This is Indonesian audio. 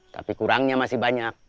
tapi kurangnya masih banyak